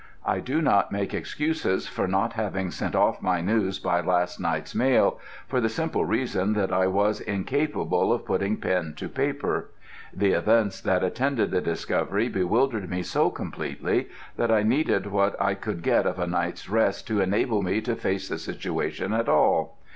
I do not make excuses for not having sent off my news by last night's mail, for the simple reason that I was incapable of putting pen to paper. The events that attended the discovery bewildered me so completely that I needed what I could get of a night's rest to enable me to face the situation at all.